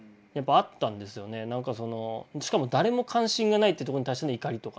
しかも誰も関心がないってとこに対しての怒りとか。